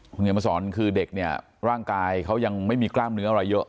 คุณเขียนมาสอนคือเด็กเนี่ยร่างกายเขายังไม่มีกล้ามเนื้ออะไรเยอะ